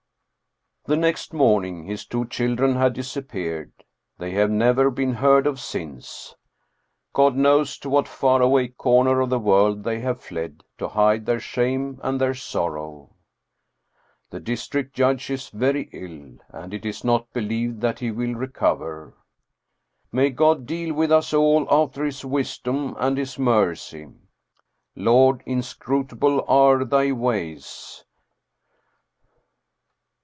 The next morning his two children had disappeared. They have never been heard of since. God knows to what far away corner of the world they have fled, to hide their shame and their sorrow. The district judge is very ill, and it is not believed that he will recover. May God deal with us all after His wisdom and His mercy ! 300 Steen Steensen Blicher Lord, inscrutable are thy ways